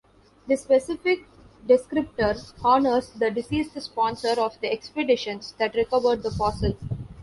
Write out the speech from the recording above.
The specific descriptor honours the deceased sponsor of the expeditions that recovered the fossil.